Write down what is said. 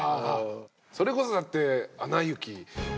それこそだって。